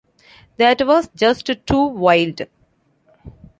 That was just too wild.